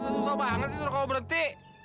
susah banget sih suruh kalau berhenti